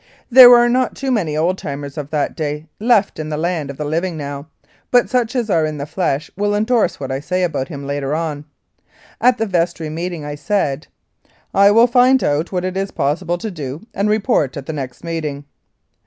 There are not many old timers of that day left in the land of the living now, but such as are in the flesh will endorse what I say about him later on. At the vestry meeting I said : "I will find out what it is possible to do and report at the next meeting."